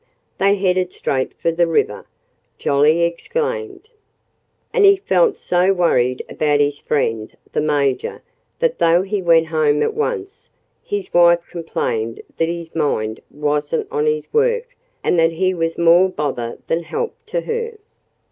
"They headed straight for the river!" Jolly exclaimed. And he felt so worried about his friend the Major that though he went home at once, his wife complained that his mind wasn't on his work and that he was more bother than help to her.